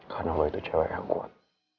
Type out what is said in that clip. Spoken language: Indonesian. karena lo itu cewek yang kuat